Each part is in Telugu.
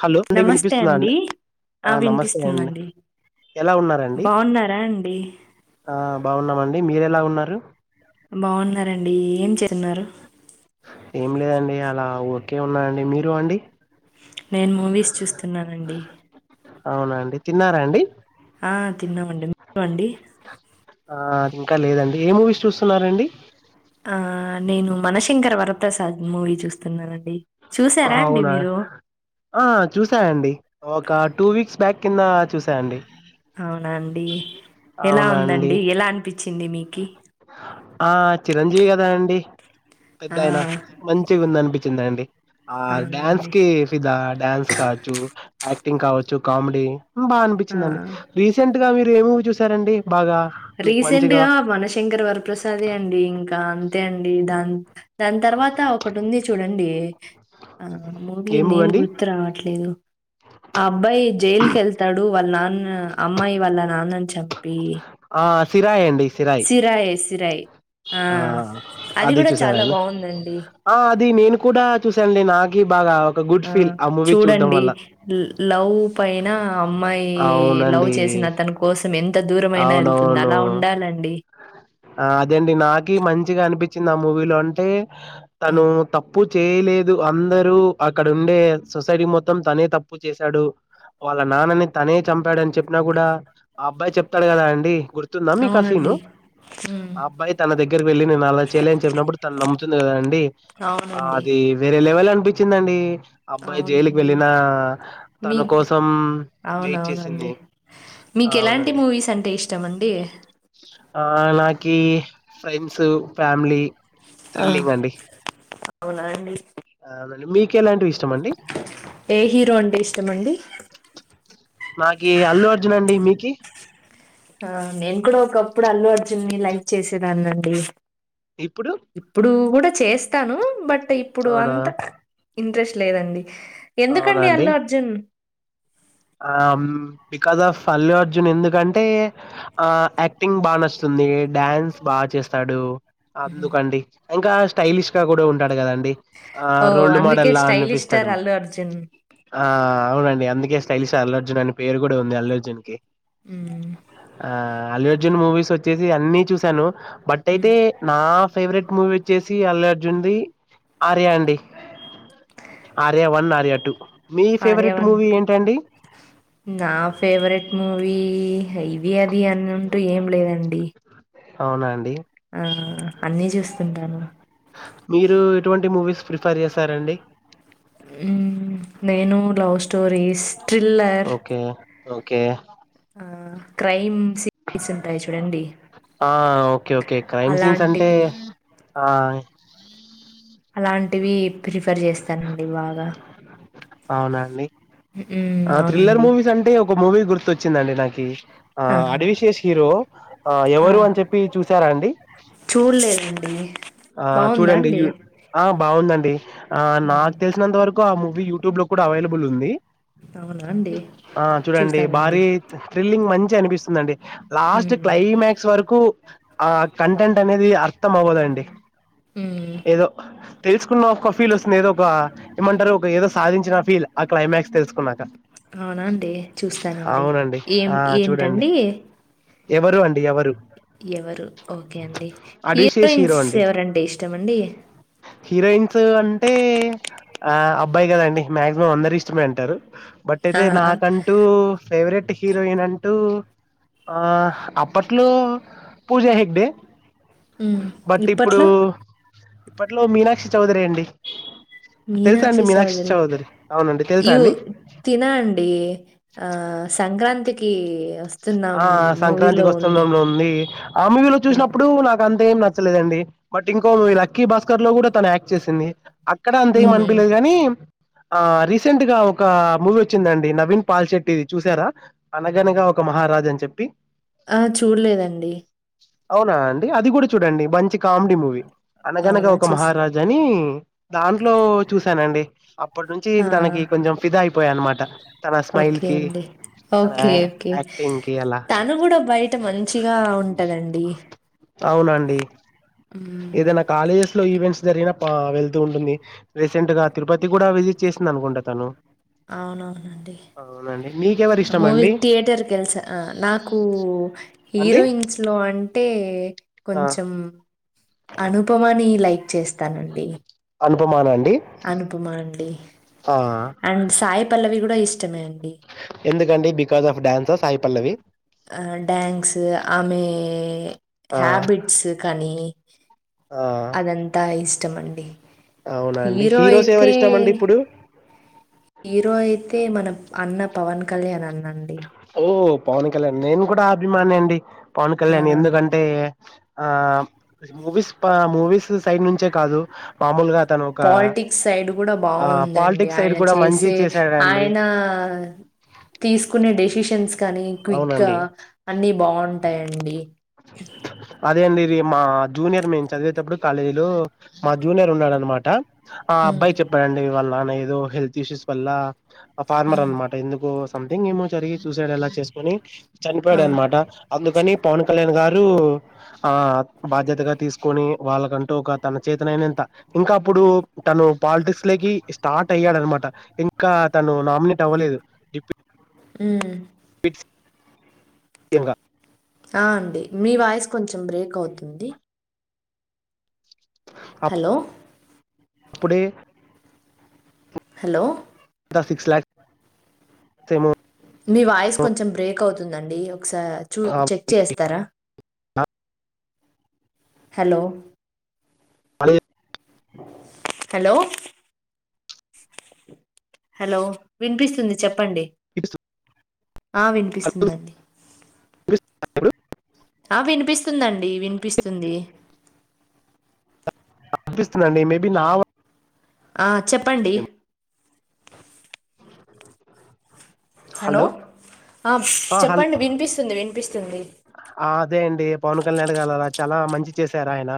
హలో అండి వినిపిస్తుందా అండి ఆ నమస్తే అండి. ఎలా ఉన్నరాండి బాగున్నారా అండి ఆహ్ బాగున్నామండి మీరు ఎలా ఉన్నారు. బాగున్నారండి ఏం చేస్తున్నారు. ఏం లేదండి అలా ఉర్కే ఉన్నండి మీరు అండి. నేను మూవీస్ చూస్తున్నానండి. అవునండి తిన్నారా అండి. ఆ తిన్నామండి మీరు అండి ఆ ఇంకా లేదండి ఏ మూవీస్ చూస్తున్నారండి. ఆ నేను మనశంకరవరప్రసాద్ మూవీ చూస్తున్నానండి. చూసారా అండి హౌనా మీరు ఆ చూసానండి ఒక టూ వీక్స్ బ్యాక్ కింద చూసా అండి. ఔనా అండీ ఎలా ఉందండి ఎలా అన్పి ఆహ్ చిరంజీవి కదా అండి. ఆ పెద్దయినా మంచిగుందనిపించిందండి. ఆ డ్యాన్స్ అవునండి కి ఫిదా డ్యాన్స్ కావచ్చు యాక్టింగ్ కావచ్చు కామిడీ. బాగా అనిపించిందండి ఆ రీసెంట్ గా మీరేమూవీ చూసారండి బాగా మీకు మంచిగా. మనశంకర వరప్రసాదే అండి ఇంకా అంతే అండి దాని. దాని తర్వాత ఒకటుంది చూడండి ఆ మూవీ ఏ నేమ్ అండి గుర్తు రావట్లేదు. ఆ అబ్బాయి జైలుకెళ్తాడు వాళ్ళ నాన్న అమ్మాయి వాళ్ళ నాన్నని చంపి. ఆహ్ సిరాయండి. సిరాయే సిరయ్. ఆహ్ అది చూసారాండి బావుందండి. ఆహ్ అది నేను. కూడా చూసాను నేనాగి బాగా. ఒక గుడ్ ఫీల్ ఆహ్ ఆ మూవీ చూడ్డం చూడండి వల్ల లవ్ పైన అమ్మాయి లవ్ అవునండి చేసి. అతని కోసం ఎం. అవునవును ఆహ్ అదండి నాకీ మంచిగా అనిపి. చ్చిన మూవీలో అంటే తను హ్మ్. తప్పు చేయలేదు అందరి. అక్కడుండే సొసైటీ మొత్తం తనే తప్పు చేశాడు. వాళ్ళ నాన్నని తనే చంపాడని చెప్పినా కూడా ఆ అబ్బాయి చెప్తడు కదా అండి గుర్. గుర్తుందా మీకా సీను అవునండి. హ్మ్. ఆ అబ్బాయి తన దగ్గరికి వెళ్ళి నేను అలా చేయలేదు అని చెప్పినప్పుడు తను నమ్ము. తుంది కదాండి ఆహ్ అవునండి. అది వేరే లెవెల్ అనిపించిందండి. అబ్బాయి జేలుకి అవునండి. వెళ్ళిన మీ తన కోసం వెయిట్ అవునవునండి. చేసింది. ఆ, మీకెలాంటి అవునండి. మూవీస్ అంటే ఇష్టమండి. ఆహ్ నాకి ఫ్రెండ్స్ ఫ్యామిలీ. ఆ త్రిల్లింగ్ అండి అవునా అండి. అవునండి మీకెలాంటి ఇష్. ఏ హీరో అంటే ఇష్టమండి. నాకి అల్లు అర్జునండి మీకి. ఆహ్ నేను కూడా ఒకప్పుడు అల్లుఅర్జున్ ని లైక్ చేసేదాన్నిండి. ఇప్పుడు ఇప్పుడు కూడా చేస్తాను బట్ ఇప్పుడు అవునా అంతా. ఇంట్రెస్ట్ లేదండి ఎందుకండి అల్లు అర్జున్. ఆహ్ బికాస్ ఆఫ్ అల్లు అర్జున్ ఎందుకంటే ఆహ్ యాక్టింగ్ బాగా నచ్చుతుంది. ఉమ్ ఇది డాన్స్ బాగా చేస్తాడు అందుకండి ఇంకా స్టైలిష్ గా కూడా ఉంటాడు కదండి. ఓ ఆహ్ రోల్డ్ అందుకే మోడల్ లా స్టైలిష్ స్టార్ అనిపిస్తడు. అల్లు అర్జున్. ఆహ్ అవునండి అందుకే స్టైలిష్ అల్లుఅర్జున్ అనే పేరు కూడా ఉంది అల్లుఅర్జున్ కి. ఉమ్. ఆ అల్లు అర్జున్ మూవీస్ వచ్చేసి అన్ని చూశాను బట్ హ్మ్. అయితే నా. ఫేవరెట్ మూవీ వచ్చేసి అల్లుఅర్జున్ది ఆర్య అండి. ఆర్య వన్ ఆర్య టు మీ ఫేవరెట్ ఆర్యవన్ మూవీ ఏంటండి. నా ఫేవరెట్ మూవీ. ది హ్ ఇది అది అన్నుంటు ఏం లేదండి. అవునాండి. ఆహ్ అన్నీ చూస్తుంటాను. హ్ మీరు ఎటువంటి మూవీస్ ప్రిఫర్ చేస్తారండి. ఉమ్ నేను love stories thriller. Okay okay ఆ క్రైమ్ సీరీస్ ఉంటాయి చూడండి ఆ ఓకే ఓకే క్రైమ్ సీన్స్ అంటే అలాంటివి, ఆ అలాంటివి ప్రిఫర్ జేస్తానండి బాగా. అవునాండి హ్మ్. ఆహ్ థ్రిల్లర్ అవునండి. మూవీస్ అంటే ఒక మూవీ గుర్తొచ్చిందండి నాకి. ఆ! ఆహ్ అడివిశేష్ హీరో ఆహ్ ఆ! ఎవరు అని చెప్పి చూసారా అండి. చూడలేదండి. ఆ బావుందా చూడండి అండి? ఆ బాగుందన్ ఆ హ్మ్. నాక్ తెలిసినంత వరకు ఆ మూవీ యూట్యూబ్ లో కూడా అవైలబుల్ ఉంది అవునా అండి? ఆ చూడండి చూస్తానండి. భారీ థ్రిల్లింగ్ మన్ చిగ అనిపిస్తుందండి లాస్ట్ హ్మ్. క్లైమాక్స్ వరకు ఆ కంటెంట్ అనేది అర్థం అవ్వదండి ఉమ్ ఏదో తెలుసుకున్న ఒక ఫీల్ ఓస్తుంది ఏదో ఒక ఏమంటారు ఒక ఏదో సాధించినా ఫీల్ ఆ క్లైమాక్స్ తెలుసుకున్నాక అవునాండి చూస్తానండి అవునండి ఏం ఆ చూడండి ఏంటండి ఎవరు అండి ఎవరు ఎవరు ఓకే అండి అడివిశేష్ హీరో హీరోయిన్స్ అండి ఎవరంటే ఇష్టమండీ హీరోయిన్స్ అంటే ఆ అబ్బాయి కదండీ మాక్సిమం అందరు ఇష్టమే అంటారు బట్ ఆ! అయితే ఆ! నాకంటూ ఫేవరెట్ హీరోయిన్ అంటూ ఆ అప్పట్లో పూజ హెగ్డే హ్మ్. బట్ ఇప్పుడు ఇప్పట్లో? ఇప్పట్లో మీనాక్షి చౌదరి అండి తెలుసా అండి మీనాక్షి చౌదరి అవునండి తెలుసా యు అండి తినా అండి ఆ సంక్రాంతికి వస్ ఆ సంక్రాంతి వస్తున్నాంలో ఉంది ఆ మూవీలో ఆ! చూసినప్పుడు నాకు అంత్ ఏం నచ్చలేదండి బట్ ఇంకో మూవీ లక్కీ భాస్కర్ లో గూడా తన్ ఆక్ చ్చేసింది అక్కడ అంతేం హ్మ్. హ్మ్. అనిపలేదు గాని ఆ రీసెంట్ గా ఒక మూవీ ఒచ్చిందండి నవీన్ పాల్శెట్టిది చూసారా అనగనగా ఓ ఒక మహారాజ అని చెప్పి ఆ చూడలేదండి అవునా అండి అది గూడా చూడండి మంచి కామెడీ మూవీ అనగనగా అవునా? ఒక చూస్ మహారాజ అని దాంట్లో చూశానండి అప్పటి నుంచి ఆ! తనకి కొంచెం ఫిదా అయిపోయా అనమాట తన స్మైల్ ఓకే కి అండి. తన ఓకే ఓకే యాక్టింగ్ కి అలా తను గూడా బయట మంచిగా ఉంటదండి అవునండి మ్మ్ ఏదైనా కాలేజెస్ లో ఈవెంట్స్ జరిగిన పా వెళ్తూ ఉంటుంది రీసెంట్ గా తిరుపతి గూడా విజిట్ చేసింది అనుకుంటా తను అవునవునండి అవునండి మీకెవరు ఇ మూవీ థియేటర్కి ఎల్స నాకు అండి హీరోయిన్స్లో అంటే ఆ కొంచం అనుపమాని లైక్ చేస్తానండి అనుపమానా అండి అనుపమా అండి ఆ అండ్ సాయి పల్లవి గూడా ఇష్టమే అండి ఎందుకండి బికాజ్ ఆఫ్ డాన్సా సాయి పల్లవి ఆ డాన్స్ ఆమె ఆ హ్యాబిట్స్ కానీ ఆ అదంతా ఇష్టం అండి అవునా అండి హీరో హీరోస్ ఎవరి అయితే ఇష్టం అండి ఇప్పుడు హీరో అయితే మన అన్న పవన్ కళ్యాణ్ అన్నండి ఓ పవన్ కళ్యాణ్ నేను కూడా అభిమాని అండి పవన్ కళ్యాణ్ ఆ ఎందుకంటే ఆ మూవీస్ పా మూవీస్ సైడ్ నుంచే కాదు మామూలుగా తను ఒక పాలిటిక్స్ సైడ్ గూడా ఆ బాగుందండి పాలిటిక్స్ సైడ్ ఆయన కూడా మంచి చేసే చేశాడండి ఆయనా తీసుకునే డెసిషన్స్ కానీ క్విక్ గా అవునండి అన్ని బాగుంటాయండి బి మా జూనియర్ మేం చదివేటప్పుడు కాలేజీ లో మా జూనియర్ ఉన్నాడన్నమాట ఆ అబ్బాయి హ్మ్. చెప్పాడండీ వాళ్ళ నాన ఏదో హెల్త్ ఇష్యూస్ వల్ల అ ఫార్మర్ అన్నమాట ఎందుకు సంథింగ్ ఏమో జరిగి సూసైడ్ అలా చేసుకోని ఆ! చనిపోయాడు అన్నమాట అందుకని పవన్ కళ్యాణ్ గార్ రూ ఆ బాధ్యతగా తీసుకొని వాళ్ళకంటూ ఒక తన చేతనైనంత ఇంకా అప్పుడు తను పాలిటిక్స్ లోకి స్టార్ట్ అయ్యాడనమాట ఇంకా తను నామినేట్ అవ్వలేదు డిప్ ఉమ్ ఫిట్స్ ఏంగా ఆ! అండి. మీ వాయిస్ కొంచెం బ్రేక్ అవుతుంది హలో అప్పుడే హలో దా సిక్స్ ల్యాక్స్ ఏమో మీ వాయిస్ కొంచెం బ్రేక్ అవుతుందండి ఒకసార్ చూ ఏమో చెక్ చేస్తారా హలో అడ్ హలో హలో వినిపిస్తుంది చెప్పండి ఆ హలో వినిపిస్తుందండి వినిపిస్తుందా ఇప్పుడు ఆ వినిపిస్తుందండి వినిపిస్తుంది వినిపిస్తుదండి మేబీ నా వా ఆ చెప్పండి హలో ఆ చెప్పండి వినిపిస్తుంది వినిపిస్తుంది అ ఆదేండి పవన్ కళ్యాణ్ గా లా చాలా మంచి చేశారాయన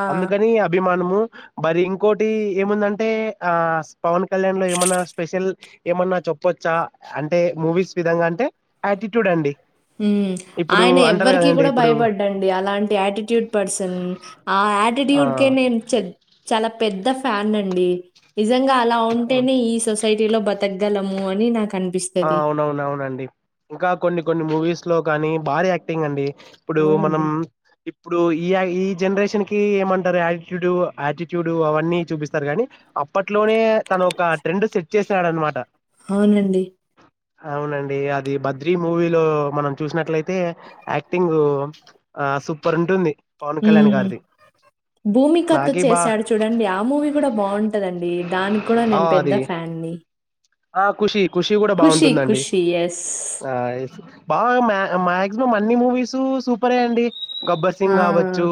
ఆ అందుకని అభిమానము మరి ఇం ంకోటి ఏముందంటే ఆ స్ పవన్ కళ్యాణ్ లో ఏమన్నా స్పెషల్ ఏమన్నా చెప్పొచ్చా అంటే మూవీస్ విధంగా అంటే ఆటిట్యూడ్ అండి హు మ్మ్ ఇప్పుడు ఆయన అంటారు ఎవ్వర్ కి కదండి కుడా ఇప్పుడు భయపడడండి అలాంటి ఆట్యూడ్ పర్సన్ ఆ ఆటిట్యూడ్ కే ఆ నేన్ చెక్ చాలా పెద్ద ఫ్యాన్నండి ఇజ్ నిజంగా అలా ఉంటేనే ఈ సొసైటీలో బతక్గలమూ అని ఆ నాకనిపిస్తది అవునవును అవునండి ఇంకా కొన్ని కొన్ని మూవీస్ లో కానీ భారీ యాక్టింగ్ అండి ఇపుడు మనం అవునండి ఇప్పుడు ఈ య ఈ జెన్రేషన్కి ఏమంటరు యాటిట్యూడు ఆటిట్యూడు అవన్నీ చూపిస్తారు గానీ అప్పట్లోనే తనొక ట్రెండు సెట్ చేసాడన్మాట అవునండి అవునండి అది బద్రీ మూవీలో మనం చూసినట్లైతే యాక్టింగ్ ఆ సూపర్రుంటుంది పవన్ కళ్యాణ్ గారిది భూమికాతో నాకి బా చేసాడు చూడండి ఆ మూవీ కూడా బాగుంటదండి దాని కూడా ఆ నేను పెద్ద అది ఫ్యాన్ ని ఆ ఖుషి ఖుషి కూడా బాగుంటుందండి ఖుషి ఎస్ ఆ బాగా మ్య మ్యాగ్జిమమ్ అన్నీ మూవీస్ సూపరే అండి గబ్బర్ సింగ్ ఆ గావచ్చు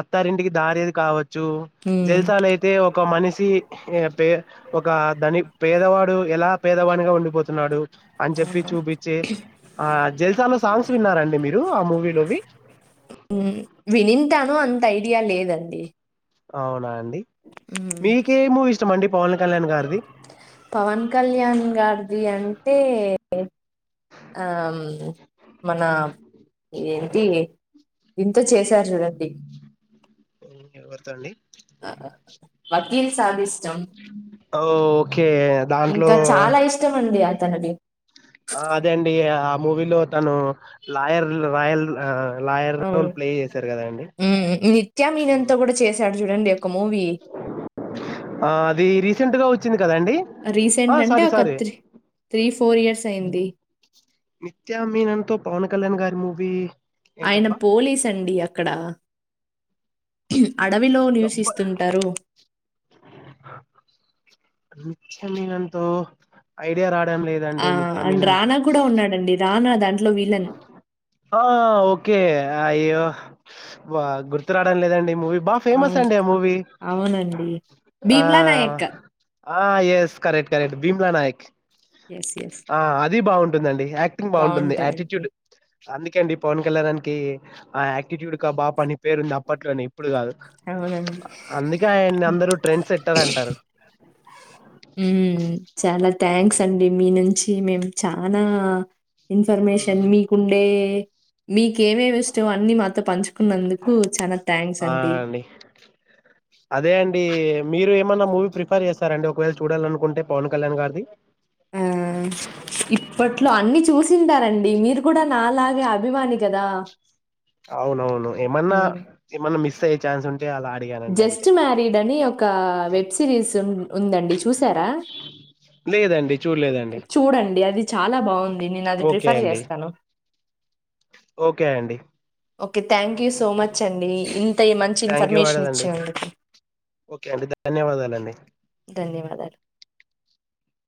అత్తారింటికి దారేది కావ చు మ్మ్ జల్సాలైతే ఒక మనిషి పే ఒక దని పేదవా డు ఎలా పేదవానిగా ఉండిపోతున్నాడు అని చేప్పి అవునా చూపిచ్చే ఆ జల్సాలో సాంగ్స్ విన్నారండి మీరు ఆ మూవీలోవి మ్ వినింటాను అంత ఐడియా లేదండి అవునా అండి మ్మ్ మీకే మూవీ ఇష్టమండి పవన్ కళ్యాణ్ గారిది పవన్ కళ్యాణ్ గారిది అంటే ఆమ్ మనమ్ ఏంటియి దింతో జేశారు జూడండి ఉ ఎవర్ తల్లి ఆ అ వకీల్ సాబిష్టం ఓ ఓకే దాంట్లో తనది ఆ అదే అండి ఆ మూవీలో తను లాయర్ రాయల్ ఆ లాయర్ రోల్ అవును ప్లే చేశారు కదా అండి మ్మ్ నిత్యా మీనన్తో కూడా చేశాడు చూడండి ఒక మూవీ ఆ అది రీసెంట్గా వచ్చింది కదండి ఆ రీసెంట్ అంటే సారీ ఒక sorry three three four years అయింది నిత్యా మీనతో పవన్ కళ్యాణ్ గారి మూవీ ఆయన ఏంటబ్బా పోలీసండి అక్కడ హమ్ అడవిలో గబ్బ నివసిస్తుంటరు. నిత్యా మీనన్ తో ఐడియా రాడం లేదండి ఆ అండ్ నిత్యమీనన్ రానా కూడా ఉన్నాడండి రానా దాంట్లో విలన్ ఆ ఓకే అయ్యో వ గుర్తు రాడం లేదండి మూవీ బా ఫేమస్ అవును అండి ఆ మూవీ అవునండి ఆ భీమ్లా నాయక్ ఆ yes correct correct Bheemla Nayak yes yes ఆ అది బావుంటుందండి. యాక్టింగ్ బావుంటుంది. బాగుంటదండి ఆటిట్యూడ్ అందుకెండి పవన్ కళ్యాణ్ అన్ కి ఆ యాక్టిట్యూడ్ క బా పని పేరుంది అప్పట్లోని ఇప్పుడు కాదు అవునండి అందుకే ఆయన్ని అందరూ ట్రెండ్ సెట్టర్ అంటారు. ఉమ్ చాలా థ్యాంక్స్ ఉమ్, అండి మీ నుంచి మేం చనా ఇన్ఫర్మేషన్ ఉమ్, మీకుండే మీకేమేమిష్టమో అన్ని మాతో పంచుకున్నందుకు చానా ఆ అండి అదే అండి మీరు ఏమన్నా మూవీ ప్రిఫర్ చేస్తారండి. ఒకవేళ చూడాలనుకుంటే పవన్ కళ్యాణ్ గారిది చూడ ఉమ్ ఇప్పట్లో అన్ని చూసింటారన్ డి మీరు కూడా నా లాగే అభిమాని కదా అవునవును ఏమన్నా ఉమ్ ఏమన్నా మిస్ అయ్యే చాన్స్ ఉం జస్ట్ మ్యారీడ్ అని ఒక వెబ్ సిరీస్ ఉన్ ఉందండి చూసారా? లేదండి చూల్ చూడండి. అది చాలా బావుంది నేనది ఓకే ప్రిఫర్ అండి చేస్తాను. ఓకే అండి okay thank you so much అండి ఇంత ఇ మంచి ఇన్ఫర్మేషన్ ఇచ్చినందుకు ఒకే అండి, ధన్యవాదాలండి. గర్ల్